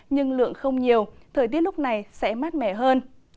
nhưng lượng không nhiều thời tiết lúc này sẽ mát mẻ hơn